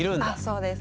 そうです。